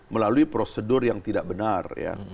melalui prosedur yang tidak benar ya